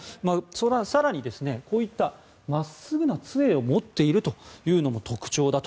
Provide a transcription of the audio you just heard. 更に、真っすぐな杖を持っているというのも特徴だと。